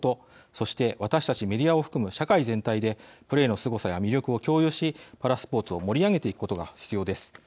そして、私たちメディアを含む社会全体でプレーのすごさや魅力を共有しパラスポーツを盛り上げていくことが必要です。